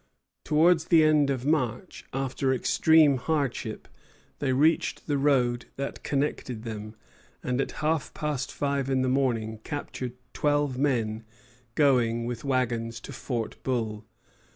Towards the end of March, after extreme hardship, they reached the road that connected them, and at half past five in the morning captured twelve men going with wagons to Fort Bull.